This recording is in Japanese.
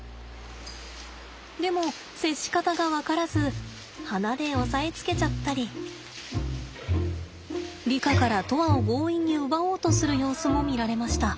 でも接し方が分からず鼻で押さえつけちゃったりリカから砥愛を強引に奪おうとする様子も見られました。